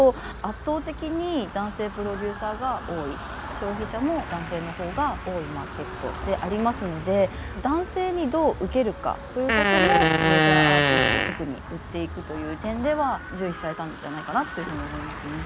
消費者も男性のほうが多いマーケットでありますので男性にどう受けるかということもメジャーアーティストを特に売っていくという点では重視されたんじゃないかなというふうに思いますね。